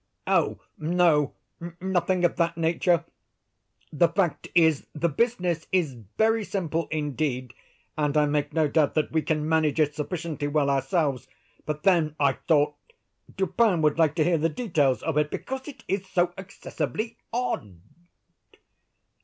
"Oh no; nothing of that nature. The fact is, the business is very simple indeed, and I make no doubt that we can manage it sufficiently well ourselves; but then I thought Dupin would like to hear the details of it, because it is so excessively odd."